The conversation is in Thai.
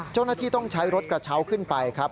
เจ้าหน้าที่ต้องใช้รถกระเช้าขึ้นไปครับ